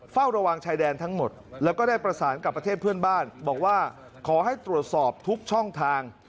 เฝ้าระวังชายแดนทั้งหมดแล้วก็ได้ประสานกับประเทศเพื่อนบ้านบอกว่าขอให้ตรวจสอบทุกช่องทาง